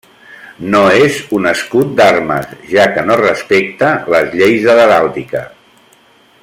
No és un escut d'armes, ja que no respecta les lleis de l'heràldica.